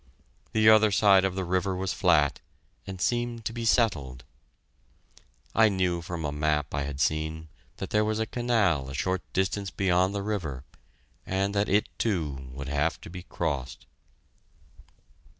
The other side of the river was flat, and seemed to be settled. I knew from a map I had seen that there was a canal a short distance beyond the river, and that it, too, would have to be crossed.